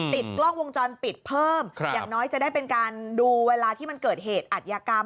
ติดกล้องวงจรปิดเพิ่มอย่างน้อยจะได้เป็นการดูเวลาที่มันเกิดเหตุอัธยากรรม